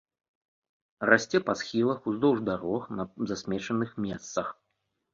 Расце па схілах, уздоўж дарог, на засмечаных месцах.